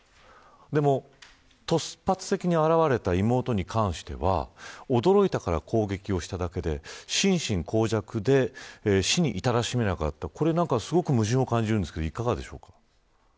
でも突発的に現れた妹に関しては驚いたから攻撃をしただけで心神耗弱で死に至らしめなかったこれ、なんかすごく矛盾を感じるんですがいかがでしょうか。